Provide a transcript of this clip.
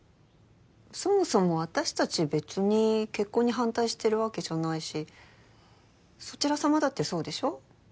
そもそもあたしたち別に結婚に反対してるわけじゃないしそちらさまだってそうでしょ？